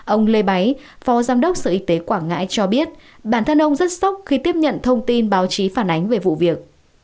ông lê báy phó giám đốc sở y tế quảng ngãi cho biết bản thân ông rất sốc khi tiếp nhận thông tin báo chí phản ánh về vụ việc